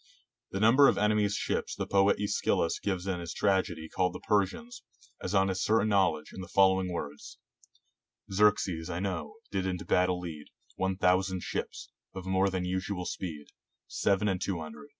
The number of the enemy's ships the poet iEschylus gives in his tragedy called the Persians, as on his certain knowledge, in the following words — "Xerxes, I know, did into battle lead One thousand ships; of more than usual speed Seven and two hundred.